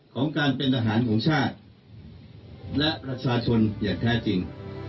ของการเป็นทหารของชาติและประชาชนอย่างแท้จริง